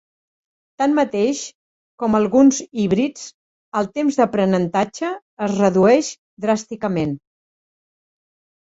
Tanmateix, com alguns híbrids, el temps d'aprenentatge es redueix dràsticament.